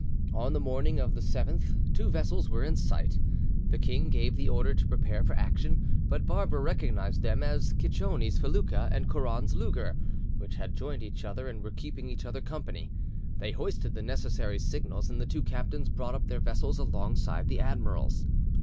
On the morning of the 7th two vessels were in sight. The king gave the order to prepare for action, but Barbara recognised them as Cicconi's felucca and Courrand's lugger, which had joined each other and were keeping each other company. They hoisted the necessary signals, and the two captains brought up their vessels alongside the admiral's.